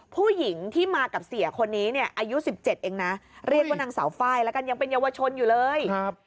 ผู้หญิงที่มากับเสียคนนี้เนี่ยอายุ๑๗เองนะเรียกว่านางสาวไฟล์แล้วกันยังเป็นเยาวชนอยู่เลย